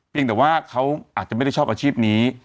แต่ว่าเขาอาจจะไม่ได้ชอบอาชีพนี้